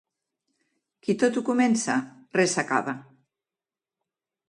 Qui tot ho comença, res acaba.